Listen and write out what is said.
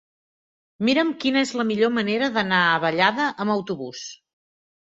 Mira'm quina és la millor manera d'anar a Vallada amb autobús.